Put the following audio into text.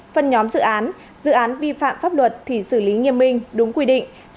phân nhóm dự án dự án vi phạm pháp luật thì xử lý nghiêm minh đúng quy định